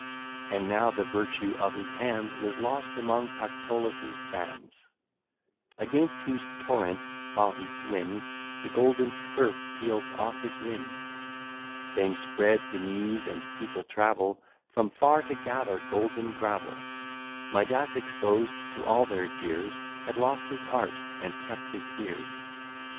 And now the virtue of his hands Was lost among Pactolus' sands, Against whose torrent while he swims The golden scurf peels off his limbs: Fame spreads the news, and people travel From far, to gather golden gravel; Midas, exposed to all their jeers, Had lost his art, and kept his ears.